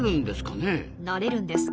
なれるんです。